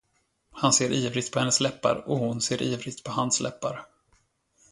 Han ser ivrigt på hennes läppar, och hon ser ivrigt på hans läppar.